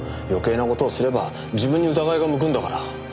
余計な事をすれば自分に疑いが向くんだから。